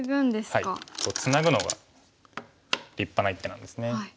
はいツナぐのが立派な一手なんですね。